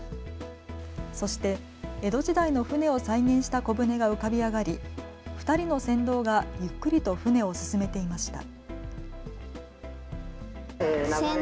そして江戸時代の船を再現した小舟が浮かび上がり、２人の船頭がゆっくりと船を進めていました。